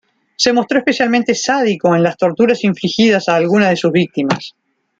Se mostró especialmente sádico en las torturas infligidas a alguna de sus víctimas.